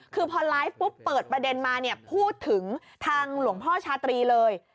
คือพอไลฟ์ปุ๊บเปิดประเด็นมาเนี่ยพูดถึงทางหลวงพ่อชาตรีเลย